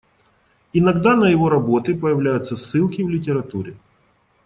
Иногда на его работы появляются ссылки в литературе.